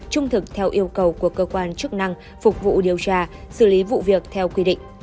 trung thực theo yêu cầu của cơ quan chức năng phục vụ điều tra xử lý vụ việc theo quy định